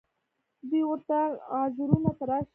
دوی ورته عذرونه تراشي